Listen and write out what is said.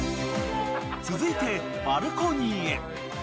［続いてバルコニーへ］